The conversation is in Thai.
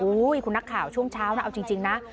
คุณนักข่าวช่วงเช้านะเอาจริงนะ